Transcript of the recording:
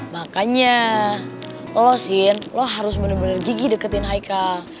makanya lo lo sin lo harus bener bener gigi deketin haikal